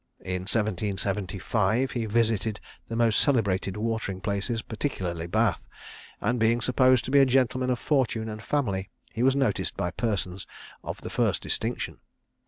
In 1775 he visited the most celebrated watering places, particularly Bath; and, being supposed to be a gentleman of fortune and family, he was noticed by persons of the first distinction.